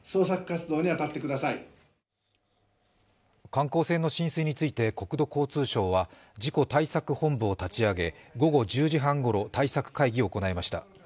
観光船の浸水について国土交通省は事故対策本部を立ち上げ、午後１０時半ごろ対策会議を行いました。